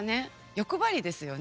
欲張りですよね。